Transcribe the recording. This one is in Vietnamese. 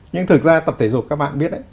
nhưng thực ra tập thể dục các bạn biết đấy